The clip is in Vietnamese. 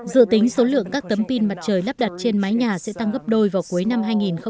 dự tính số lượng các tấm pin mặt trời lắp đặt trên mái nhà sẽ tăng gấp đôi vào cuối năm hai nghìn hai mươi